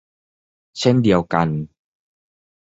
เช่นเดียวกัน